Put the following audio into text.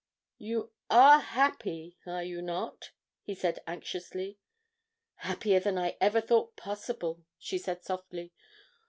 'You are happy, are you not?' he asked anxiously. 'Happier than I ever thought possible,' she said softly.